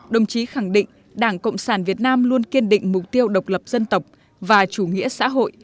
đồng chí khẳng định đảng cộng sản việt nam luôn kiên định mục tiêu độc lập dân tộc và chủ nghĩa xã hội